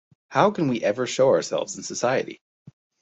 How can we ever show ourselves in society?